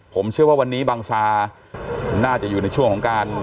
ผมเชื่อว่าวันนี้บังซาน่าจะอยู่ในช่วงของการ